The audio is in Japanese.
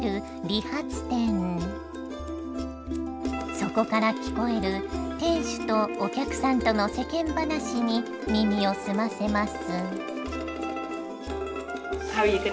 そこから聞こえる店主とお客さんとの世間話に耳を澄ませます。